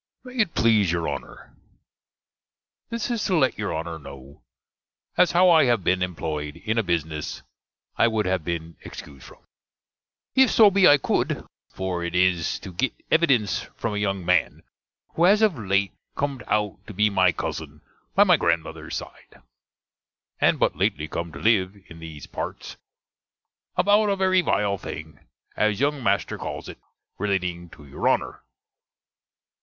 MAY IT PLEASE YOUR HONNER, This is to let you Honner kno', as how I have been emploied in a bisness I would have been excused from, if so be I could, for it is to gitt evidense from a young man, who has of late com'd out to be my cuzzen by my grandmother's side; and but lately come to live in these partes, about a very vile thing, as younge master calls it, relating to your Honner.